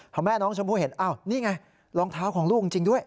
พอแม่น้องชมพู่เห็นอ้าวนี่ไงรองเท้าของลูกจริงด้วย